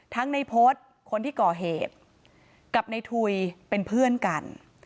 ในพฤษคนที่ก่อเหตุกับในทุยเป็นเพื่อนกัน